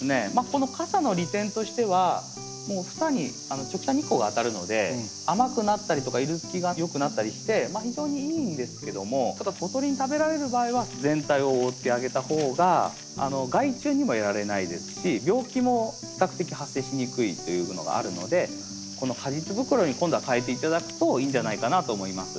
このかさの利点としては房に直射日光が当たるので甘くなったりとか色づきが良くなったりして非常にいいんですけどもただ鳥に食べられる場合は全体を覆ってあげた方が害虫にもやられないですし病気も比較的発生しにくいというのがあるのでこの果実袋に今度はかえて頂くといいんじゃないかなと思います。